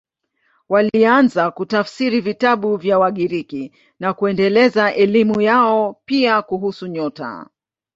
Walianza kutafsiri vitabu vya Wagiriki na kuendeleza elimu yao, pia kuhusu nyota.